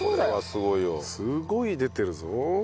すごい出てるぞ。